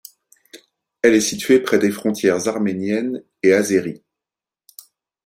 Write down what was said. Elle est située près des frontières arméniennes et azéris.